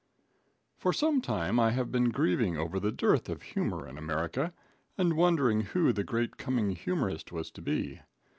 For some time I have been grieving over the dearth of humor in America, and wondering who the great coming humorist was to be.